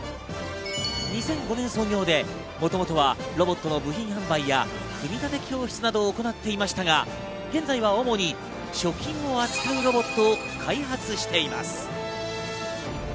２００５年創業でもともとはロボットの部品販売や組み立て教室などを行っていましたが、現在は主に食品を扱うロボットを開発しています。